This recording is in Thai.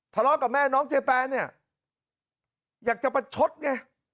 ทะเลาะกับแม่น้องเจแปนเนี่ยอยากจะประชดไง